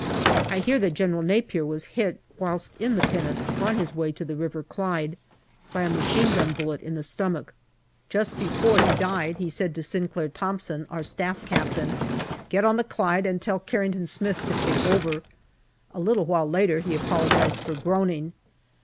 I hear that General Napier was hit whilst in the pinnace, on his way to the River Clyde, by a machine gun bullet in the stomach. Just before he died he said to Sinclair Thomson, our Staff Captain, " Get on the Clyde and tell Carrington Smith to take over." A little while later he apologized for groaning.